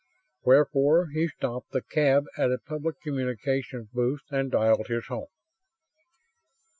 Wherefore he stopped the cab at a public communications booth and dialed his home.